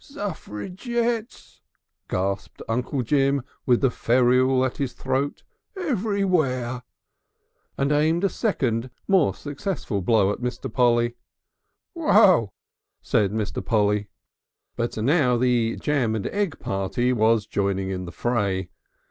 "Suffragettes," gasped Uncle Jim with the ferule at his throat. "Everywhere!" and aimed a second more successful blow at Mr. Polly. "Wup!" said Mr. Polly. But now the jam and egg party was joining in the fray.